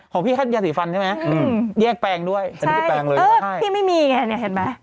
ของพี่เกิดยาสีฟันใช่ไหมอืมเอ้อพี่ไม่มีไงเนี่ยเห็นไหม